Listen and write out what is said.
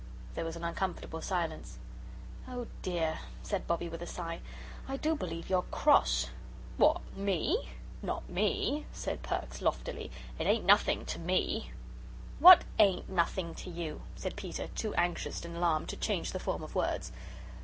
There was an uncomfortable silence. "Oh, dear," said Bobbie, with a sigh, "I do believe you're CROSS." "What, me? Not me!" said Perks loftily; "it ain't nothing to me." "What AIN'T nothing to you?" said Peter, too anxious and alarmed to change the form of words.